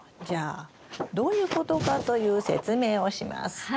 じゃあどういうことかという説明をします。